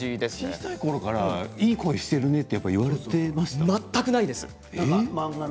小さいころからいい声してるねと全くないです。